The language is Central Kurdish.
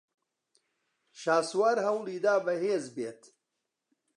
شاسوار ھەوڵی دا بەھێز بێت.